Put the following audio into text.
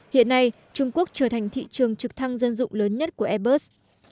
hiện nay trung quốc trở thành thị trường trực thăng dân dụng lớn nhất của airbus